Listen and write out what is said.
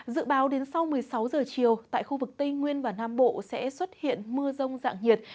dự báo đến sau một mươi sáu giờ chiều tại khu vực tây nguyên và nam bộ sẽ xuất hiện mưa rông dạng nhiệt